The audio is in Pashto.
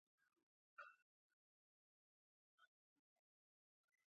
هغه د لیکدود بېلا بېلې بڼې په ګوته کولې.